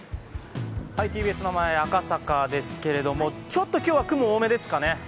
ＴＢＳの前、赤坂ですけれどもちょっと今日は雲、多めですかね。